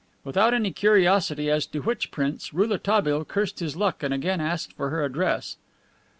Without any curiosity as to which prince, Rouletabille cursed his luck and again asked for her address.